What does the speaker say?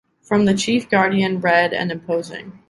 From the chief guardian, red and imposing.